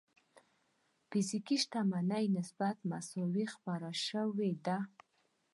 فزيکي شتمنۍ نسبت مساوي خپره شوې ده.